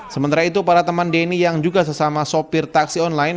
sementara itu para teman denny yang juga sesama sopir taksi online